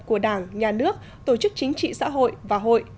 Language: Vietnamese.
của đảng nhà nước tổ chức chính trị xã hội và hội